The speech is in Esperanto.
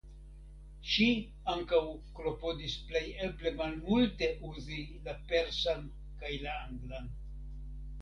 Ŝi ankaŭ klopodis plej eble malmulte uzi la persan kaj la anglan.